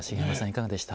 いかがでした？